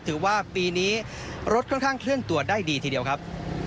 ถือว่าปีนี้รถค่อนข้างเคลื่อนตัวได้ดีทีเดียวครับ